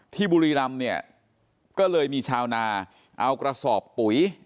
บุรีรำเนี่ยก็เลยมีชาวนาเอากระสอบปุ๋ย